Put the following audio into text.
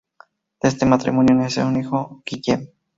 De este matrimonio nació un hijo: Guillem.